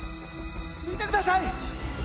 「見てください！」